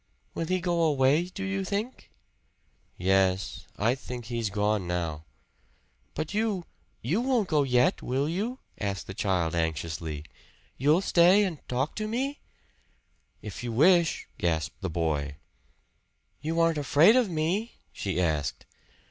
"Will he go away, do you think?" "Yes I think he's gone now." "But you you won't go yet, will you?" asked the child anxiously. "You'll stay and talk to me?" "If you wish" gasped the boy. "You aren't afraid of me?" she asked.